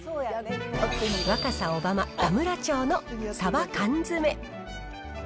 若狭小浜田村長の鯖缶詰。